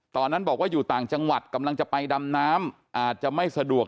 ตอนนั้นบอกว่าอยู่ต่างจังหวัดกำลังจะไปดำน้ำอาจจะไม่สะดวก